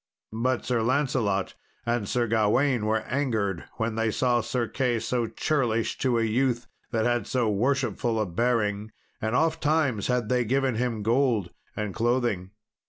But Sir Lancelot and Sir Gawain were angered when they saw Sir Key so churlish to a youth that had so worshipful a bearing, and ofttimes had they given him gold and clothing.